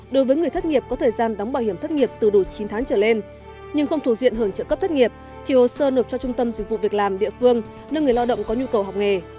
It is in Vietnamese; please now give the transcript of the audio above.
đối với người thất nghiệp có thời gian đóng bảo hiểm thất nghiệp từ đủ chín tháng trở lên nhưng không thuộc diện hưởng trợ cấp thất nghiệp thì hồ sơ nộp cho trung tâm dịch vụ việc làm địa phương nơi người lao động có nhu cầu học nghề